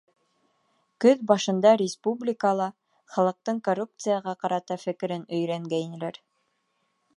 Көҙ башында республикала халыҡтың коррупцияға ҡарата фекерен өйрәнгәйнеләр.